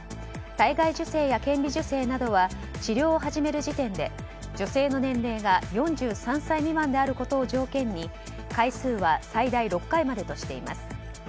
体外受精や顕微授精などは治療を始める時点で女性の年齢が４３歳未満であることを条件に回数は最大６回までとしています。